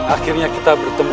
akhirnya kita bertemu